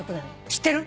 知ってる？